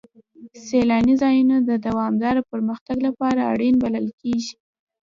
سیلاني ځایونه د دوامداره پرمختګ لپاره اړین بلل کېږي.